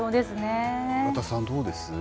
岩田さん、どうです？